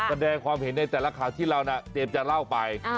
แสดงความเห็นในแต่ละข่าวที่เราเตรียมจะเล่าไป